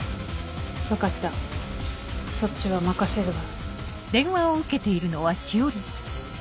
分かったそっちは任せるわ。